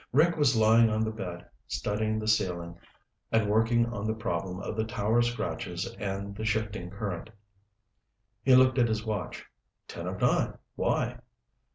Rick was lying on the bed, studying the ceiling and working on the problem of the tower scratches and the shifting current. He looked at his watch. "Ten of nine. Why?"